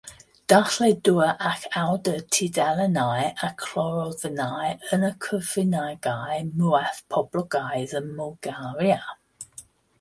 Darlledwr ac awdur tudalennau a cholofnau yn y cyfryngau mwyaf poblogaidd ym Mwlgaria.